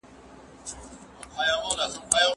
ثانیه وايي، کورنۍ او دوستان مهمه برخه دي.